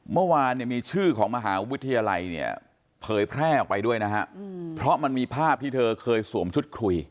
เมื่อวานเนี่ยมีชื่อของมหาวิทยาลัยเนี่ยเผยแพร่ออกไปด้วยนะฮะเพราะมันมีภาพที่เธอเคยสวมชุดคุย